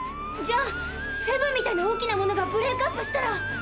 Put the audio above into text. じゃあセブンみたいな大きなものがブレークアップしたら！